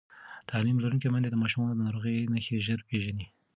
تعلیم لرونکې میندې د ماشومانو د ناروغۍ نښې ژر پېژني